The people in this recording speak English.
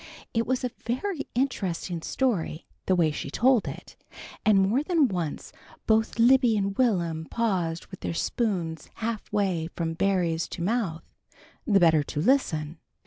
It was a very interesting story, the way she told it, and more than once both Libby and Will'm paused with their spoons half way from berries to mouth, the better to listen.